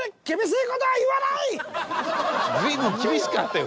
随分厳しかったよ